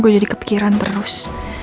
gue jadi kepikiran terus